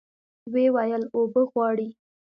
ويې ويل اوبه غواړي.